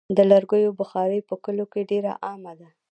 د لرګیو بخاري په کلیو کې ډېره عامه ده.